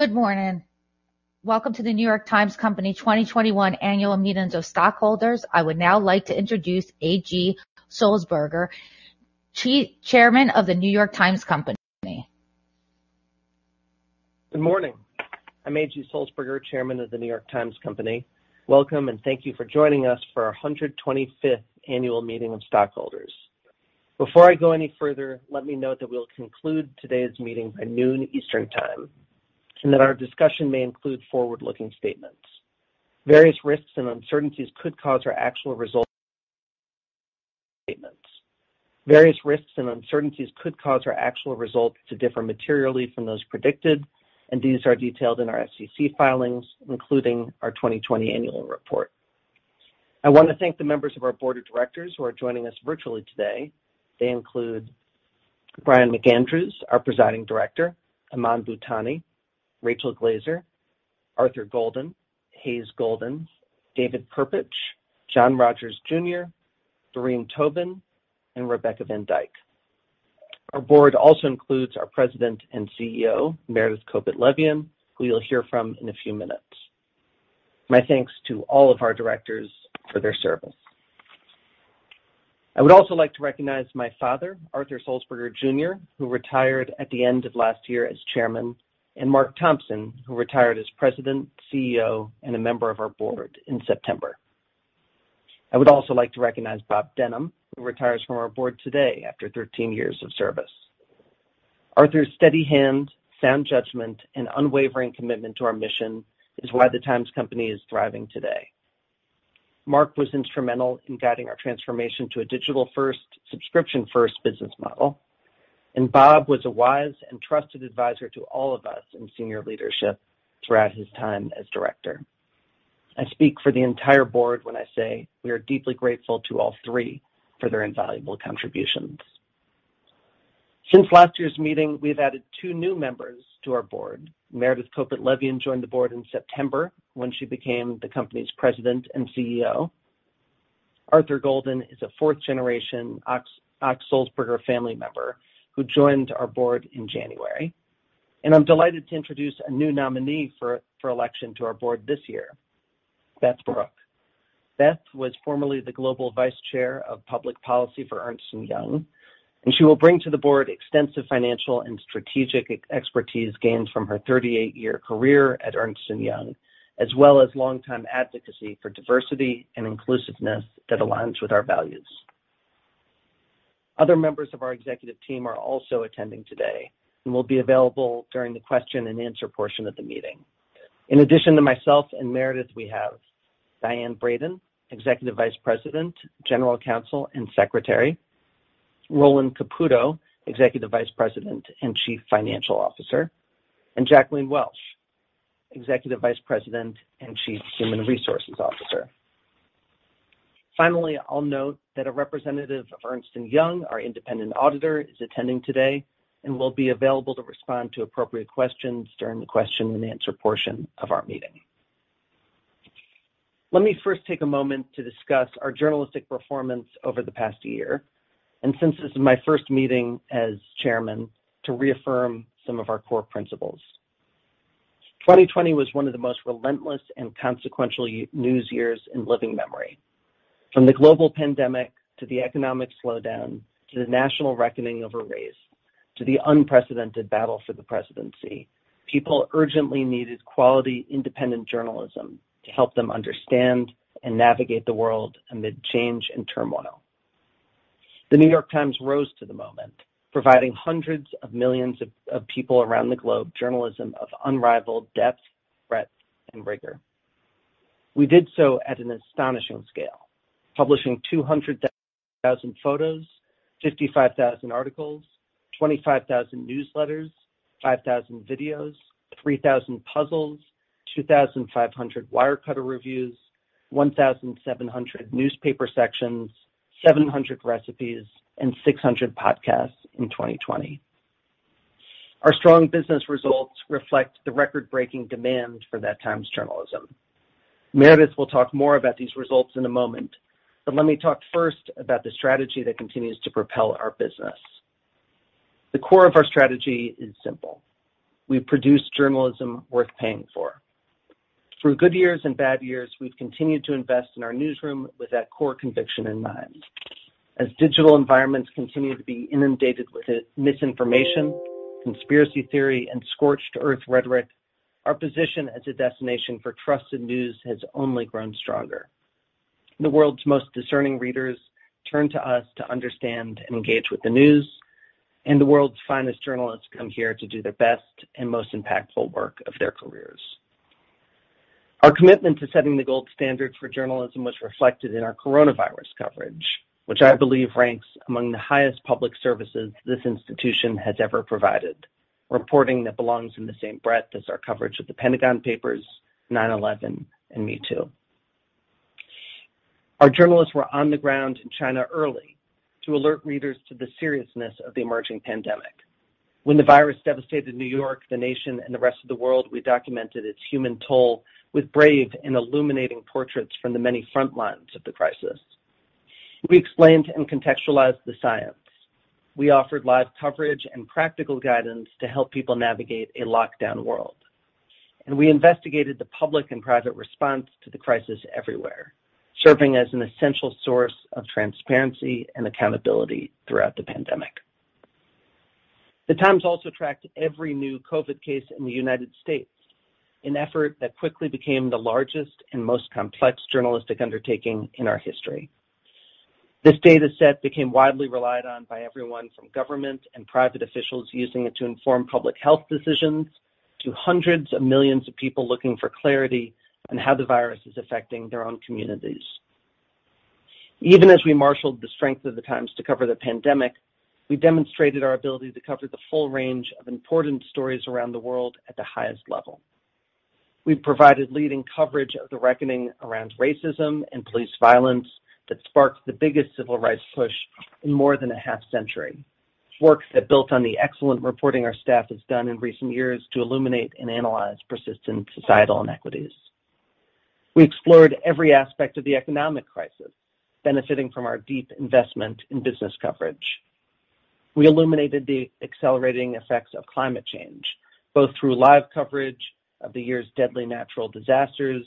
Good morning. Welcome to the New York Times Company 2021 Annual Meetings of Stockholders. I would now like to introduce A. G. Sulzberger, Chairman of the New York Times Company. Good morning. I'm A. G. Sulzberger, Chairman of The New York Times Company. Welcome, and thank you for joining us for our 125th Annual Meeting of Stockholders. Before I go any further, let me note that we will conclude today's meeting by noon Eastern Time, and that our discussion may include forward-looking statements. Various risks and uncertainties could cause our actual results to differ materially from those predicted, and these are detailed in our SEC filings, including our 2020 Annual Report. I want to thank the members of our Board of Directors who are joining us virtually today. They include Brian McAndrews, our Presiding Director, Aman Bhutani, Rachel Glaser, Arthur Golden, Hays Golden, David Perpich, John Rogers Jr., Doreen Toben, and Rebecca Van Dyck. Our board also includes our President and CEO, Meredith Kopit Levien, who you'll hear from in a few minutes. My thanks to all of our directors for their service. I would also like to recognize my father, Arthur Sulzberger Jr., who retired at the end of last year as chairman, and Mark Thompson, who retired as president, CEO, and a member of our board in September. I would also like to recognize Bob Denham, who retires from our board today after 13 years of service. Arthur's steady hand, sound judgment, and unwavering commitment to our mission is why the Times Company is thriving today. Mark was instrumental in guiding our transformation to a digital-first, subscription-first business model, and Bob was a wise and trusted advisor to all of us in senior leadership throughout his time as director. I speak for the entire board when I say we are deeply grateful to all three for their invaluable contributions. Since last year's meeting, we've added two new members to our board. Meredith Kopit Levien joined the board in September when she became the company's President and CEO. Arthur Golden is a fourth-generation Ochs-Sulzberger family member who joined our board in January, and I'm delighted to introduce a new nominee for election to our board this year, Beth Brooke. Beth was formerly the Global Vice Chair of Public Policy for Ernst & Young, and she will bring to the board extensive financial and strategic expertise gained from her 38-year career at Ernst & Young, as well as long-time advocacy for diversity and inclusiveness that aligns with our values. Other members of our executive team are also attending today and will be available during the question-and-answer portion of the meeting. In addition to myself and Meredith, we have Diane Brayton, Executive Vice President, General Counsel, and Secretary, Roland Caputo, Executive Vice President and Chief Financial Officer, and Jacqueline Welch, Executive Vice President and Chief Human Resources Officer. Finally, I'll note that a representative of Ernst & Young, our independent auditor, is attending today and will be available to respond to appropriate questions during the question-and-answer portion of our meeting. Let me first take a moment to discuss our journalistic performance over the past year, and since this is my first meeting as chairman, to reaffirm some of our core principles. 2020 was one of the most relentless and consequential news years in living memory. From the global pandemic to the economic slowdown to the national reckoning over race to the unprecedented battle for the presidency, people urgently needed quality independent journalism to help them understand and navigate the world amid change and turmoil. The New York Times rose to the moment, providing hundreds of millions of people around the globe journalism of unrivaled depth, breadth, and rigor. We did so at an astonishing scale, publishing 200,000 photos, 55,000 articles, 25,000 newsletters, 5,000 videos, 3,000 puzzles, 2,500 Wirecutter reviews, 1,700 newspaper sections, 700 recipes, and 600 podcasts in 2020. Our strong business results reflect the record-breaking demand for that Times journalism. Meredith will talk more about these results in a moment, but let me talk first about the strategy that continues to propel our business. The core of our strategy is simple: we produce journalism worth paying for. Through good years and bad years, we've continued to invest in our newsroom with that core conviction in mind. As digital environments continue to be inundated with misinformation, conspiracy theory, and scorched-earth rhetoric, our position as a destination for trusted news has only grown stronger. The world's most discerning readers turn to us to understand and engage with the news, and the world's finest journalists come here to do their best and most impactful work of their careers. Our commitment to setting the gold standard for journalism was reflected in our coronavirus coverage, which I believe ranks among the highest public services this institution has ever provided, reporting that belongs in the same breadth as our coverage of the Pentagon Papers, 9/11, and Me Too. Our journalists were on the ground in China early to alert readers to the seriousness of the emerging pandemic. When the virus devastated New York, the nation, and the rest of the world, we documented its human toll with brave and illuminating portraits from the many frontlines of the crisis. We explained and contextualized the science. We offered live coverage and practical guidance to help people navigate a lockdown world. And we investigated the public and private response to the crisis everywhere, serving as an essential source of transparency and accountability throughout the pandemic. The Times also tracked every new COVID case in the United States, an effort that quickly became the largest and most complex journalistic undertaking in our history. This data set became widely relied on by everyone from government and private officials using it to inform public health decisions to hundreds of millions of people looking for clarity on how the virus is affecting their own communities. Even as we marshaled the strength of the Times to cover the pandemic, we demonstrated our ability to cover the full range of important stories around the world at the highest level. We provided leading coverage of the reckoning around racism and police violence that sparked the biggest civil rights push in more than a half century, work that built on the excellent reporting our staff has done in recent years to illuminate and analyze persistent societal inequities. We explored every aspect of the economic crisis, benefiting from our deep investment in business coverage. We illuminated the accelerating effects of climate change, both through live coverage of the year's deadly natural disasters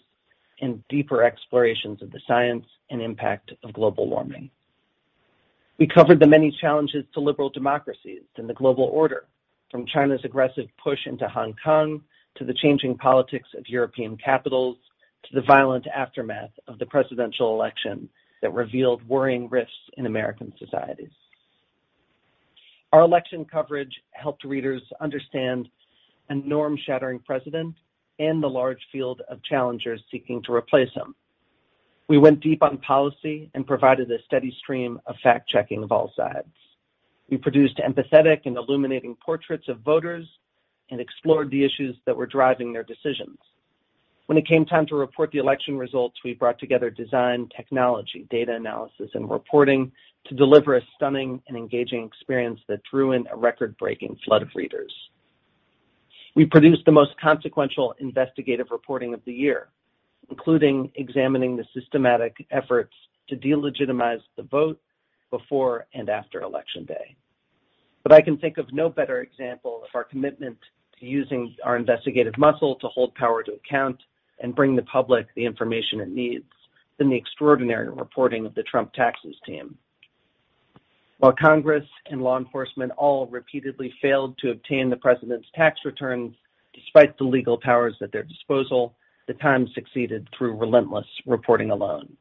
and deeper explorations of the science and impact of global warming. We covered the many challenges to liberal democracies and the global order, from China's aggressive push into Hong Kong to the changing politics of European capitals to the violent aftermath of the presidential election that revealed worrying risks in American societies. Our election coverage helped readers understand a norm-shattering president and the large field of challengers seeking to replace him. We went deep on policy and provided a steady stream of fact-checking of all sides. We produced empathetic and illuminating portraits of voters and explored the issues that were driving their decisions. When it came time to report the election results, we brought together design, technology, data analysis, and reporting to deliver a stunning and engaging experience that drew in a record-breaking flood of readers. We produced the most consequential investigative reporting of the year, including examining the systematic efforts to delegitimize the vote before and after election day. But I can think of no better example of our commitment to using our investigative muscle to hold power to account and bring the public the information it needs than the extraordinary reporting of the Trump taxes team. While Congress and law enforcement all repeatedly failed to obtain the president's tax returns despite the legal powers at their disposal, the Times succeeded through relentless reporting alone.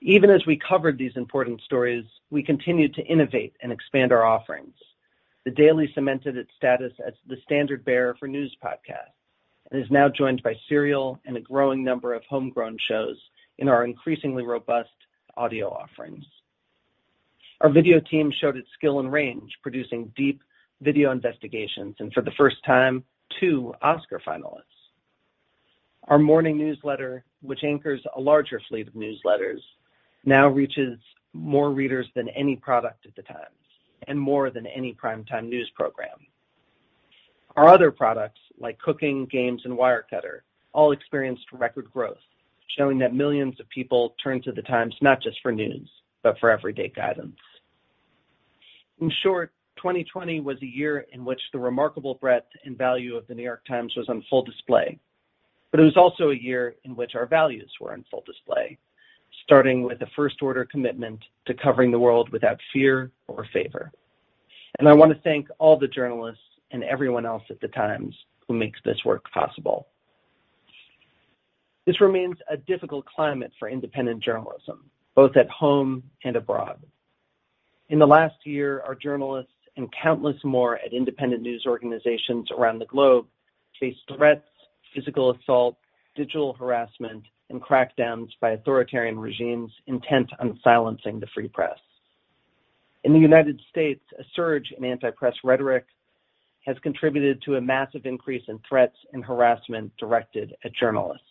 Even as we covered these important stories, we continued to innovate and expand our offerings. The Daily cemented its status as the standard bearer for news podcasts and is now joined by Serial and a growing number of homegrown shows in our increasingly robust audio offerings. Our video team showed its skill and range, producing deep video investigations and, for the first time, two Oscar finalists. Our morning newsletter, which anchors a larger fleet of newsletters, now reaches more readers than any product at The Times and more than any primetime news program. Our other products, like Cooking, Games, and Wirecutter, all experienced record growth, showing that millions of people turn to The Times not just for news, but for everyday guidance. In short, 2020 was a year in which the remarkable breadth and value of The New York Times was on full display. But it was also a year in which our values were on full display, starting with a first-order commitment to covering the world without fear or favor. And I want to thank all the journalists and everyone else at The Times who makes this work possible. This remains a difficult climate for independent journalism, both at home and abroad. In the last year, our journalists and countless more at independent news organizations around the globe faced threats, physical assault, digital harassment, and crackdowns by authoritarian regimes intent on silencing the free press. In the United States, a surge in anti-press rhetoric has contributed to a massive increase in threats and harassment directed at journalists.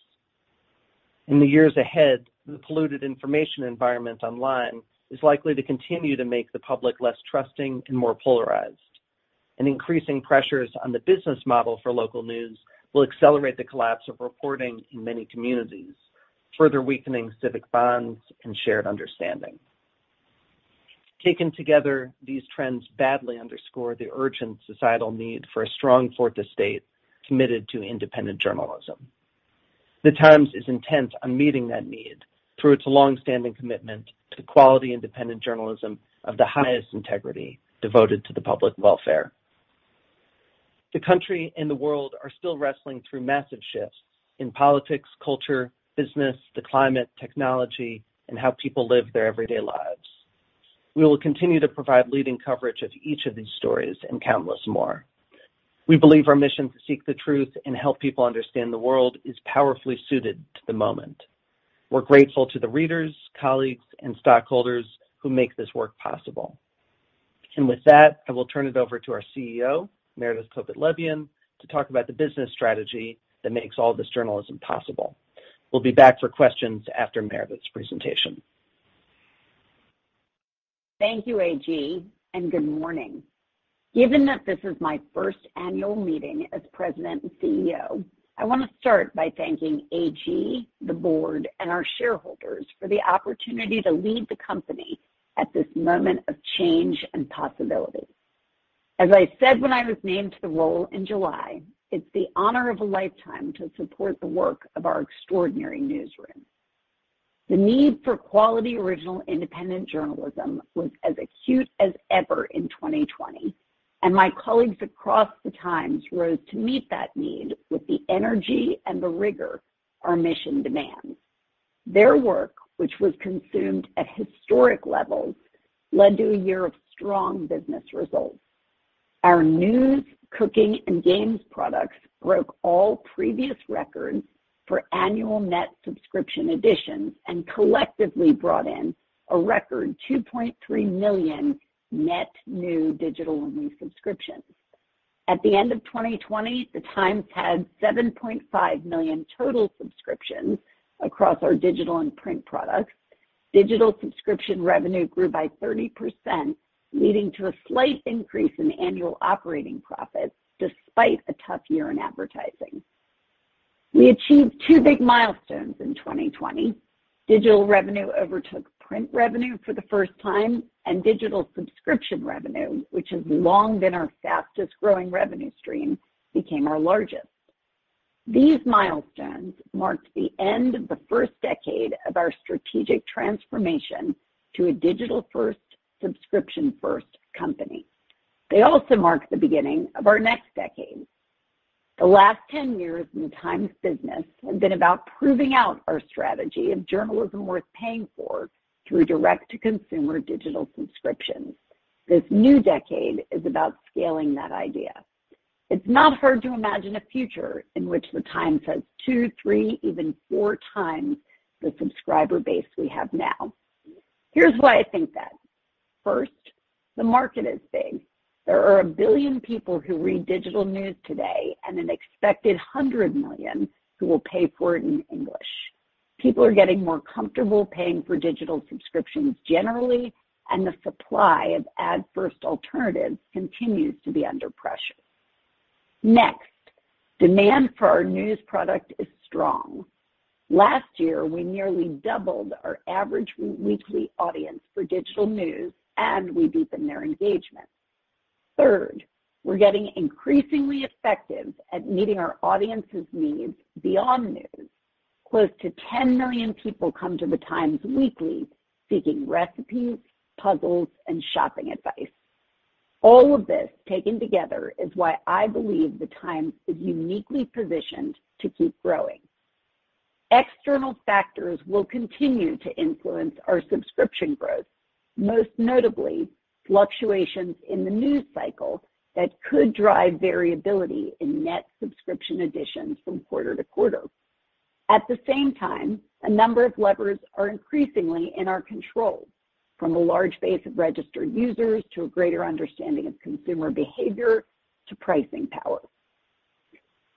In the years ahead, the polluted information environment online is likely to continue to make the public less trusting and more polarized. And increasing pressures on the business model for local news will accelerate the collapse of reporting in many communities, further weakening civic bonds and shared understanding. Taken together, these trends badly underscore the urgent societal need for a strong Fourth Estate committed to independent journalism. The Times is intent on meeting that need through its longstanding commitment to quality independent journalism of the highest integrity devoted to the public welfare. The country and the world are still wrestling through massive shifts in politics, culture, business, the climate, technology, and how people live their everyday lives. We will continue to provide leading coverage of each of these stories and countless more. We believe our mission to seek the truth and help people understand the world is powerfully suited to the moment. We're grateful to the readers, colleagues, and stockholders who make this work possible. And with that, I will turn it over to our CEO, Meredith Kopit Levien, to talk about the business strategy that makes all this journalism possible. We'll be back for questions after Meredith's presentation. Thank you, A. G., and good morning. Given that this is my first annual meeting as President and CEO, I want to start by thanking A. G., the board, and our shareholders for the opportunity to lead the company at this moment of change and possibility. As I said when I was named to the role in July, it's the honor of a lifetime to support the work of our extraordinary newsroom. The need for quality original independent journalism was as acute as ever in 2020, and my colleagues across The Times rose to meet that need with the energy and the rigor our mission demands. Their work, which was consumed at historic levels, led to a year of strong business results. Our News, Cooking, and Games products broke all previous records for annual net subscription additions and collectively brought in a record 2.3 million net new digital and new subscriptions. At the end of 2020, The Times had 7.5 million total subscriptions across our digital and print products. Digital subscription revenue grew by 30%, leading to a slight increase in annual operating profits despite a tough year in advertising. We achieved two big milestones in 2020. Digital revenue overtook print revenue for the first time, and digital subscription revenue, which has long been our fastest growing revenue stream, became our largest. These milestones marked the end of the first decade of our strategic transformation to a digital-first, subscription-first company. They also marked the beginning of our next decade. The last 10 years in The Times' business have been about proving out our strategy of journalism worth paying for through direct-to-consumer digital subscriptions. This new decade is about scaling that idea. It's not hard to imagine a future in which The Times has two, three, even four times the subscriber base we have now. Here's why I think that. First, the market is big. There are a billion people who read digital news today and an expected 100 million who will pay for it in English. People are getting more comfortable paying for digital subscriptions generally, and the supply of ad-first alternatives continues to be under pressure. Next, demand for our news product is strong. Last year, we nearly doubled our average weekly audience for digital news, and we deepened their engagement. Third, we're getting increasingly effective at meeting our audience's needs beyond news. Close to 10 million people come to The Times weekly seeking recipes, puzzles, and shopping advice. All of this taken together is why I believe The Times is uniquely positioned to keep growing. External factors will continue to influence our subscription growth, most notably fluctuations in the news cycle that could drive variability in net subscription additions from quarter to quarter. At the same time, a number of levers are increasingly in our control, from a large base of registered users to a greater understanding of consumer behavior to pricing power.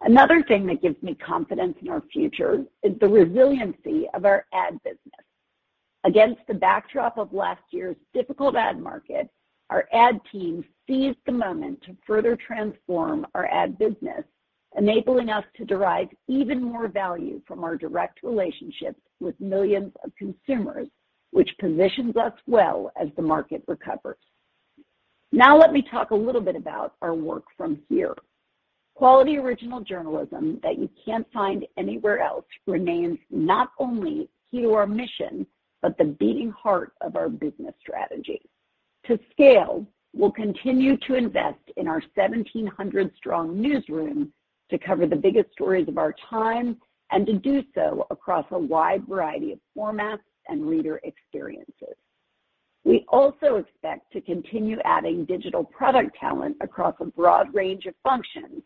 Another thing that gives me confidence in our future is the resiliency of our ad business. Against the backdrop of last year's difficult ad market, our ad team seized the moment to further transform our ad business, enabling us to derive even more value from our direct relationships with millions of consumers, which positions us well as the market recovers. Now let me talk a little bit about our work from here. Quality original journalism that you can't find anywhere else remains not only key to our mission, but the beating heart of our business strategy. To scale, we'll continue to invest in our 1,700-strong newsroom to cover the biggest stories of our time and to do so across a wide variety of formats and reader experiences. We also expect to continue adding digital product talent across a broad range of functions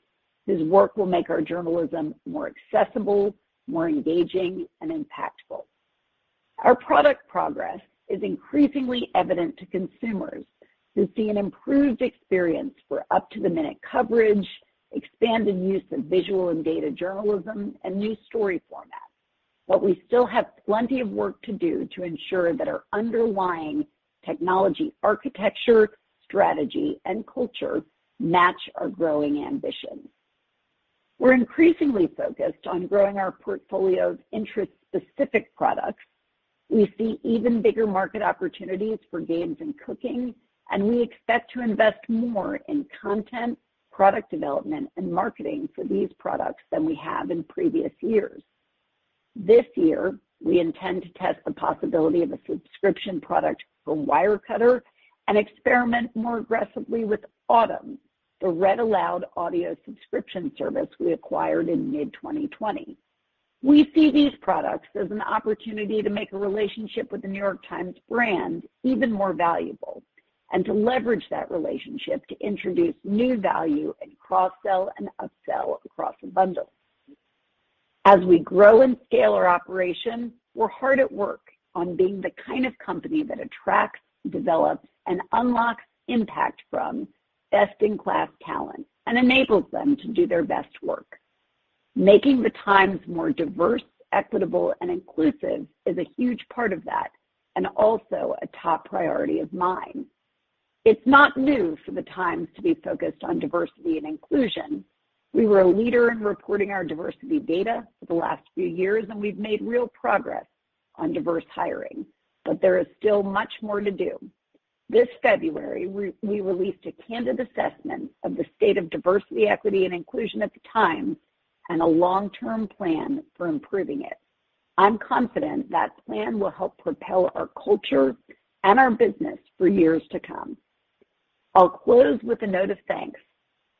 whose work will make our journalism more accessible, more engaging, and impactful. Our product progress is increasingly evident to consumers who see an improved experience for up-to-the-minute coverage, expanded use of visual and data journalism, and new story formats. But we still have plenty of work to do to ensure that our underlying technology architecture, strategy, and culture match our growing ambitions. We're increasingly focused on growing our portfolio's interest-specific products. We see even bigger market opportunities for Games and Cooking, and we expect to invest more in content, product development, and marketing for these products than we have in previous years. This year, we intend to test the possibility of a subscription product for Wirecutter and experiment more aggressively with Audm, the read-aloud audio subscription service we acquired in mid-2020. We see these products as an opportunity to make a relationship with The New York Times brand even more valuable and to leverage that relationship to introduce new value and cross-sell and up-sell across a bundle. As we grow and scale our operation, we're hard at work on being the kind of company that attracts, develops, and unlocks impact from best-in-class talent and enables them to do their best work. Making The Times more diverse, equitable, and inclusive is a huge part of that and also a top priority of mine. It's not new for The Times to be focused on diversity and inclusion. We were a leader in reporting our diversity data for the last few years, and we've made real progress on diverse hiring. But there is still much more to do. This February, we released a candid assessment of the state of diversity, equity, and inclusion at The Times and a long-term plan for improving it. I'm confident that plan will help propel our culture and our business for years to come. I'll close with a note of thanks,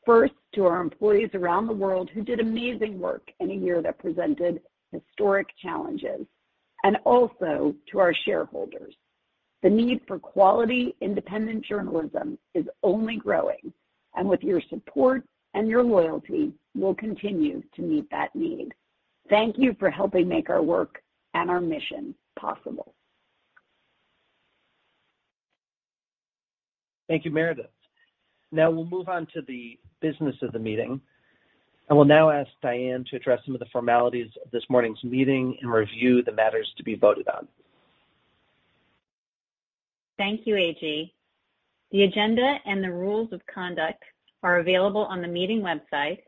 first to our employees around the world who did amazing work in a year that presented historic challenges, and also to our shareholders. The need for quality independent journalism is only growing, and with your support and your loyalty, we'll continue to meet that need. Thank you for helping make our work and our mission possible. Thank you, Meredith. Now we'll move on to the business of the meeting. I will now ask Diane to address some of the formalities of this morning's meeting and review the matters to be voted on. Thank you, A. G. The agenda and the rules of conduct are available on the meeting website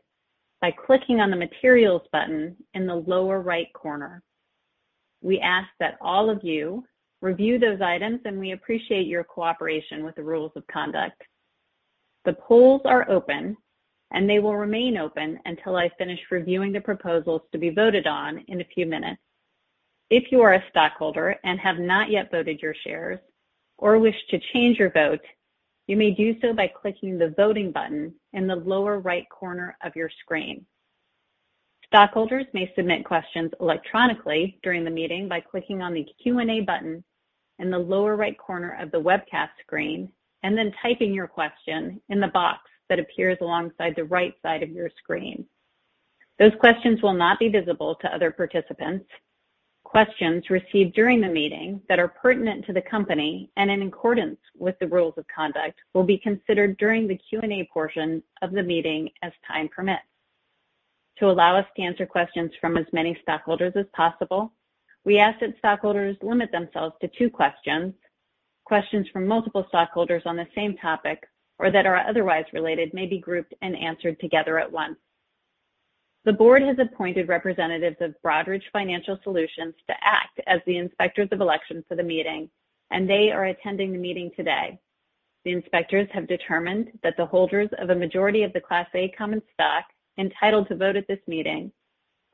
by clicking on the Materials button in the lower right corner. We ask that all of you review those items, and we appreciate your cooperation with the rules of conduct. The polls are open, and they will remain open until I finish reviewing the proposals to be voted on in a few minutes. If you are a stockholder and have not yet voted your shares or wish to change your vote, you may do so by clicking the Voting button in the lower right corner of your screen. Stockholders may submit questions electronically during the meeting by clicking on the Q&A button in the lower right corner of the webcast screen and then typing your question in the box that appears alongside the right side of your screen. Those questions will not be visible to other participants. Questions received during the meeting that are pertinent to the company and in accordance with the rules of conduct will be considered during the Q&A portion of the meeting as time permits. To allow us to answer questions from as many stockholders as possible, we ask that stockholders limit themselves to two questions. Questions from multiple stockholders on the same topic or that are otherwise related may be grouped and answered together at once. The board has appointed representatives of Broadridge Financial Solutions to act as the inspectors of election for the meeting, and they are attending the meeting today. The inspectors have determined that the holders of a majority of the Class A common stock entitled to vote at this meeting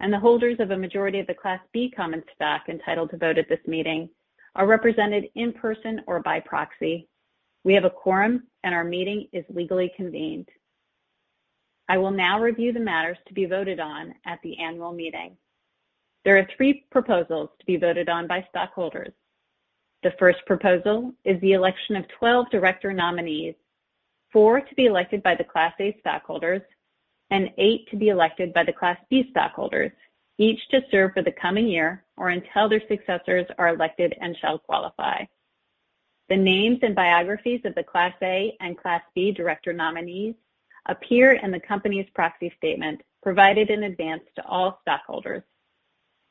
and the holders of a majority of the Class B common stock entitled to vote at this meeting are represented in person or by proxy. We have a quorum, and our meeting is legally convened. I will now review the matters to be voted on at the annual meeting. There are three proposals to be voted on by stockholders. The first proposal is the election of 12 director nominees, four to be elected by the Class A stockholders, and eight to be elected by the Class B stockholders, each to serve for the coming year or until their successors are elected and shall qualify. The names and biographies of the Class A and Class B director nominees appear in the company's proxy statement provided in advance to all stockholders.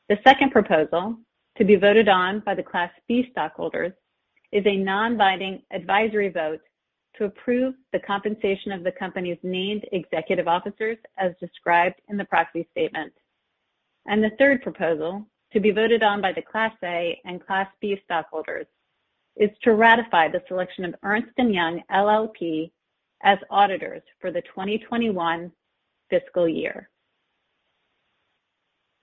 The second proposal to be voted on by the Class B stockholders is a non-binding advisory vote to approve the compensation of the company's named executive officers as described in the proxy statement, and the third proposal to be voted on by the Class A and Class B stockholders is to ratify the selection of Ernst & Young LLP, as auditors for the 2021 fiscal year.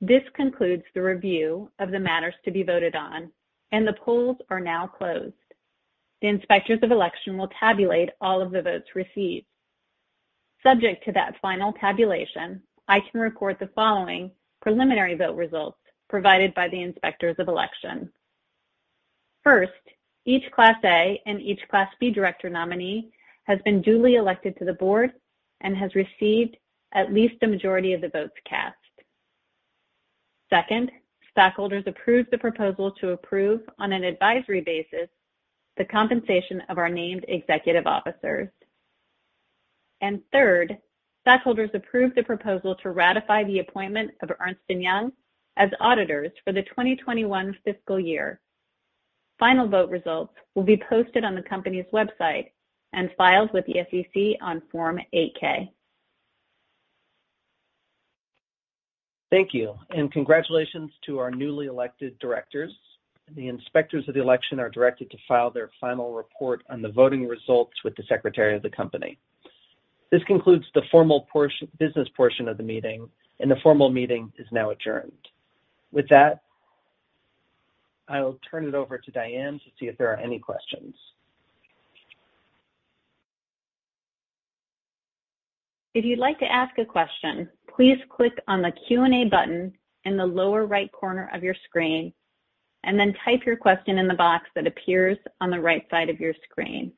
This concludes the review of the matters to be voted on, and the polls are now closed. The inspectors of election will tabulate all of the votes received. Subject to that final tabulation, I can report the following preliminary vote results provided by the inspectors of election. First, each Class A and each Class B director nominee has been duly elected to the board and has received at least the majority of the votes cast. Second, stockholders approved the proposal to approve on an advisory basis the compensation of our named executive officers. And third, stockholders approved the proposal to ratify the appointment of Ernst & Young as auditors for the 2021 fiscal year. Final vote results will be posted on the company's website and filed with the SEC on Form 8-K. Thank you, and congratulations to our newly elected directors. The inspectors of the election are directed to file their final report on the voting results with the secretary of the company. This concludes the formal business portion of the meeting, and the formal meeting is now adjourned. With that, I'll turn it over to Diane to see if there are any questions. If you'd like to ask a question, please click on the Q&A button in the lower right corner of your screen and then type your question in the box that appears on the right side of your screen.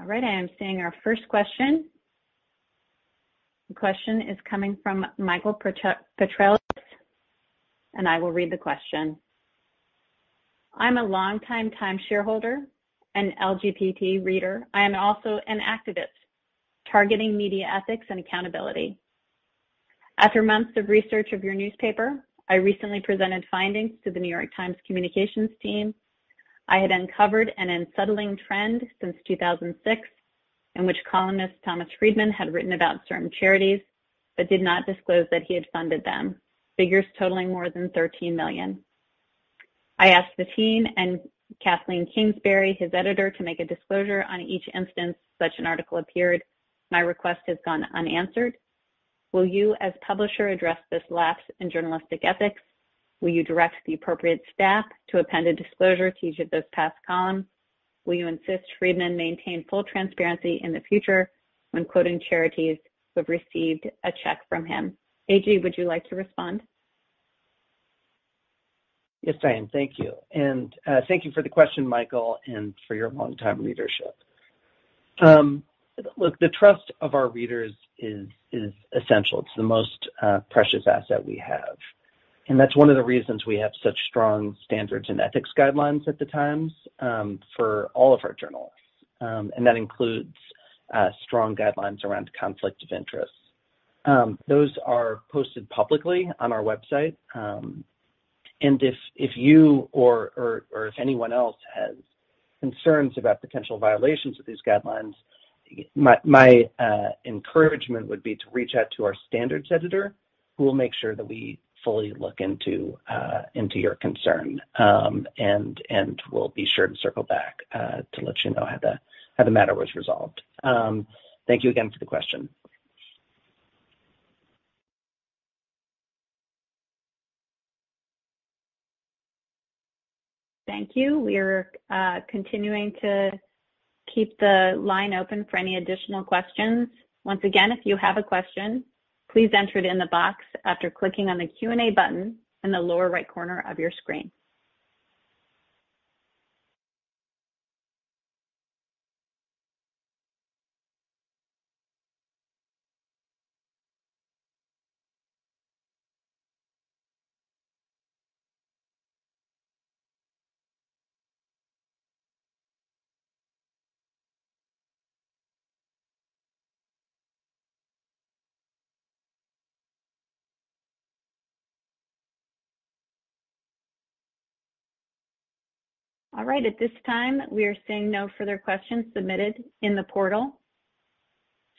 All right, I am seeing our first question. The question is coming from Michael Petrelis, and I will read the question. I'm a longtime Times shareholder and LGBT reader. I am also an activist targeting media ethics and accountability. After months of research of your newspaper, I recently presented findings to the New York Times communications team. I had uncovered an unsettling trend since 2006 in which columnist Thomas Friedman had written about certain charities but did not disclose that he had funded them, figures totaling more than $13 million. I asked the team and Kathleen Kingsbury, his editor, to make a disclosure on each instance such an article appeared. My request has gone unanswered. Will you, as publisher, address this lapse in journalistic ethics? Will you direct the appropriate staff to append a disclosure to each of those past columns? Will you insist Friedman maintain full transparency in the future when quoting charities who have received a check from him? A. G., would you like to respond? Yes, Diane, thank you. And thank you for the question, Michael, and for your longtime readership. Look, the trust of our readers is essential. It's the most precious asset we have. And that's one of the reasons we have such strong standards and ethics guidelines at The Times for all of our journalists. And that includes strong guidelines around conflict of interest. Those are posted publicly on our website. And if you or if anyone else has concerns about potential violations of these guidelines, my encouragement would be to reach out to our Standards editor, who will make sure that we fully look into your concern and will be sure to circle back to let you know how the matter was resolved. Thank you again for the question. Thank you. We are continuing to keep the line open for any additional questions. Once again, if you have a question, please enter it in the box after clicking on the Q&A button in the lower right corner of your screen. All right, at this time, we are seeing no further questions submitted in the portal.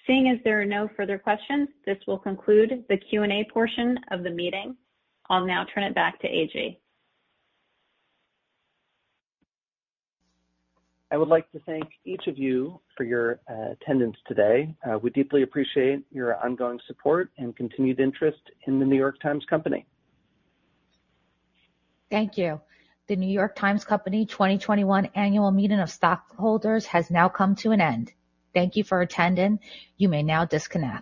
Seeing as there are no further questions, this will conclude the Q&A portion of the meeting. I'll now turn it back to A. G. I would like to thank each of you for your attendance today. We deeply appreciate your ongoing support and continued interest in The New York Times Company. Thank you. The New York Times Company 2021 annual meeting of stockholders has now come to an end. Thank you for attending. You may now disconnect.